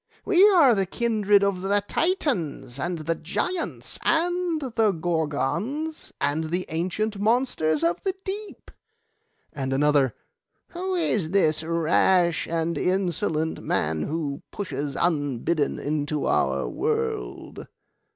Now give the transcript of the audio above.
We are the kindred of the Titans, and the Giants, and the Gorgons, and the ancient monsters of the deep.' And another, 'Who is this rash and insolent man who pushes unbidden into our world?